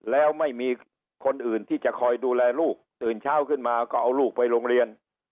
แล้วไม่มีคนอื่นที่จะคอยดูแลลูกตื่นเช้าขึ้นมาก็เอาลูกไปโรงเรียน